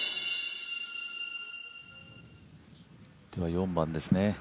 ４番ですね。